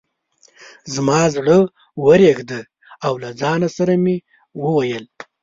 زما زړه ورېږده او له ځان سره مې وویل.